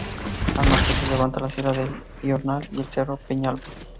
Al norte se levanta la Sierra del Piornal y el Cerro Peñalba.